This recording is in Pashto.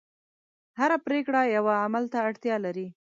هره پرېکړه یوه عمل ته اړتیا لري.